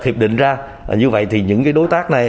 hiệp định ra như vậy thì những đối tác này